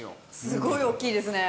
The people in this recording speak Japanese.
すごい大きいですね。